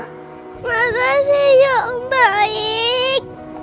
makasih ya om baik